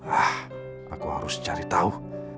ah aku harus cari tahu